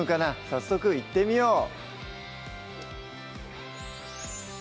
早速いってみよう